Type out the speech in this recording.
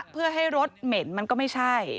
เพื่อให้รถเหม็นมันก็ไม่ใช่